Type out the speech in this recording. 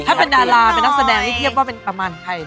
ถ้าเป็นดาราเป็นนักแสดงนี่เทียบว่าเป็นประมาณใคร